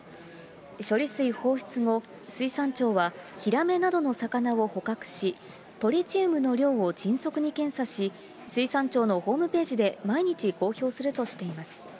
処理水放出後、水産庁は、ヒラメなどの魚を捕獲し、トリチウムの量を迅速に検査し、水産庁のホームページで毎日公表するとしています。